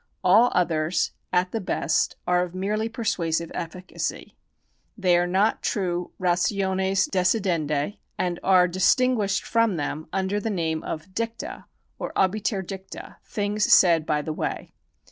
All others, at the best, are of merely persuasive efficacy. They are not true rationes decidendi, and are distinguished from them under the name of dicta or obiter dicta, things said by the way.